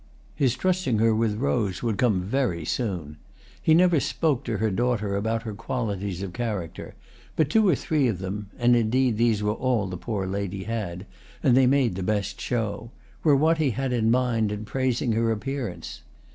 His trusting her with Rose would come very soon. He never spoke to her daughter about her qualities of character, but two or three of them (and indeed these were all the poor lady had, and they made the best show) were what he had in mind in praising her appearance.